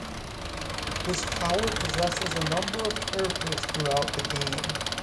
His power possesses a number of characters throughout the game.